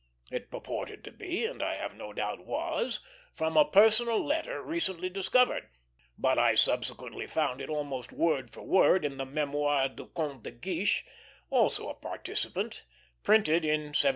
It purported to be, and I have no doubt was, from a personal letter recently discovered; but I subsequently found it almost word for word in the Mémoires du Comte de Guiche, also a participant, printed in 1743.